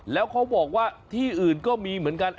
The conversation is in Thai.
แล้วเขาบอกว่าที่อื่นก็มีเหมือนกัน